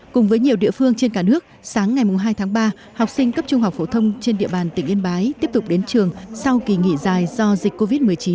cùng với nhiều địa phương trên cả nước sáng ngày hai tháng ba học sinh cấp trung học phổ thông trên địa bàn tỉnh yên bái tiếp tục đến trường sau kỳ nghỉ dài do dịch covid một mươi chín